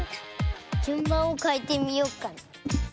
じゅんばんをかえてみようかな。